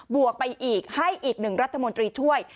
วกไปอีกให้อีกหนึ่งรัฐมนตรีช่วย